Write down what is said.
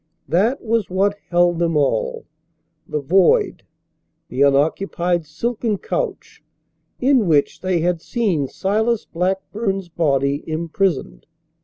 That was what held them all the void, the unoccupied silken couch in which they had seen Silas Blackburn's body imprisoned.